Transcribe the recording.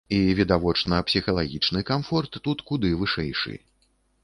І, відавочна, псіхалагічны камфорт тут куды вышэйшы.